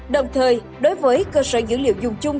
đồng thời đối với cơ sở dữ liệu dùng chung